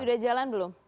sudah jalan belum